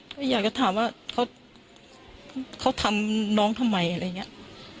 ก็อยากจะถามว่าเขาทำน้องทำไมอะไรอย่างนี้